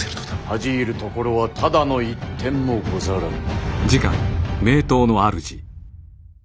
恥じ入るところはただの一点もござらぬ。